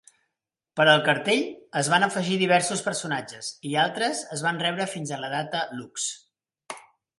Per al cartell, es van afegir diversos personatges i altres es van rebre fins a la data looks.